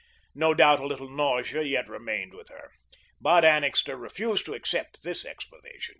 No doubt a little nausea yet remained with her. But Annixter refused to accept this explanation.